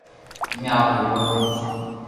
امي امري گور مي خوݾ ھون